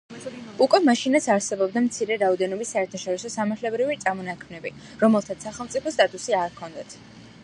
უკვე მაშინაც არსებობდა მცირე რაოდენობის საერთაშორისო სამართლებრივი წარმონაქმნები, რომელთაც სახელმწიფოს სტატუსი არ ჰქონდათ.